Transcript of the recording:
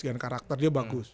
dengan karakter dia bagus